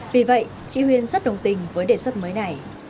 vì vậy chị huyền rất đồng tình với đề xuất mới này